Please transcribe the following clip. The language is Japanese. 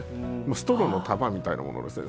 ストローの束みたいなものですね。